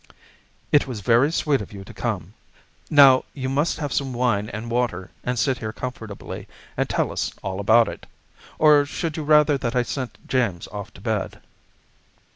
"It was very sweet of you to come. Now, you must have some wine and water, and sit here comfortably and tell us all about it. Or should you rather that I sent James off to bed?"